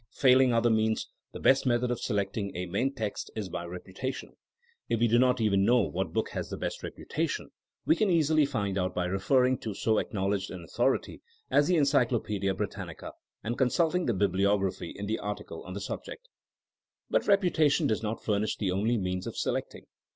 Failing other means, the best method of se lecting a main text is by reputation. If we do THINKING AS A SCIENCE 155 not even know what book has the best reputa tion, we can easily find out by referring to so acknowledged an authority as the Encyclopedia Britannica, and consulting the bibliography in the article on the subject. But reputation does not furnish the only means of selecting.